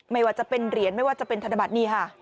ไม่ว่าจะเป็นเหรียญไม่ว่าจะเป็นธนบัตรนี่ค่ะ